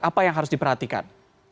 apa yang harus diperhatikan